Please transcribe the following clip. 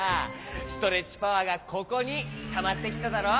ストレッチパワーがここにたまってきただろ！